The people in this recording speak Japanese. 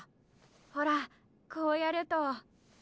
ほらこうやるとーー。